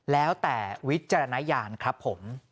แล้วแต่วิจารณญาณครับผม